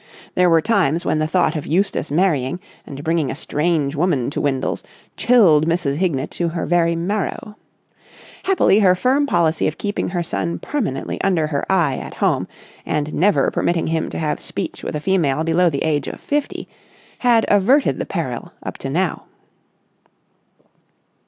There were times when the thought of Eustace marrying and bringing a strange woman to Windles chilled Mrs. Hignett to her very marrow. Happily, her firm policy of keeping her son permanently under her eye at home and never permitting him to have speech with a female below the age of fifty, had averted the peril up till now.